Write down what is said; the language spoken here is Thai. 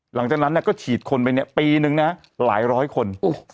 หลังจากนั้นก็ฉีดคนไปเนี่ยปีนึงนะหลายร้อยคน